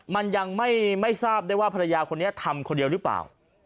มันยังไม่ทราบได้ว่าภรรยาคนนี้ทำคนเดียวหรือเปล่า